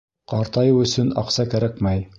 Ҡартайыу өсөн аҡса кәрәкмәй.